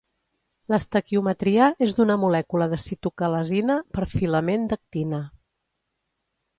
L'estequiometria és d'una molècula de citocalasina per filament d'actina.